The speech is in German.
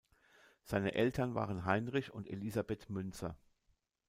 Seine Eltern waren Heinrich und Elisabeth Münzer.